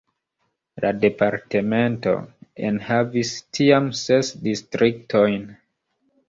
La departemento enhavis tiam ses distriktojn.